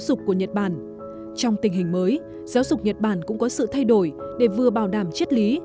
dục của nhật bản trong tình hình mới giáo dục nhật bản cũng có sự thay đổi để vừa bảo đảm chất lý